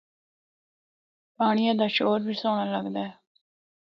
پانڑیا دا شور بھی سہنڑا لگدا اے۔